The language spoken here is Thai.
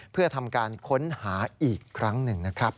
เพื่อทำการค้นหาอีกครั้งหนึ่งนะครับ